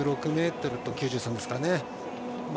１０６ｍと９３ですからね。